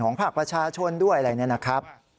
ก็เป็นส่วนแห่งภาครับ